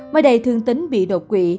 mới đây thương tính bị đột quỵ